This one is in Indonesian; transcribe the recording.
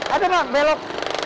aduh pak belok